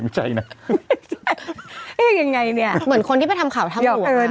ไม่ได้แดงแได้จากปฏิเสธ